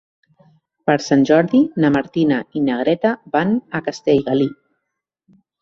Per Sant Jordi na Martina i na Greta van a Castellgalí.